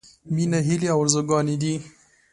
— مينه هيلې او ارزوګانې دي.